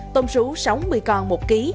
tôm sú sáu mươi con một ký